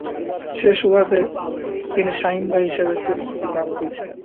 সে সুবাদে তিনি শাহিন ভাই হিসাবে পরিচিতি লাভ করেছিলেন।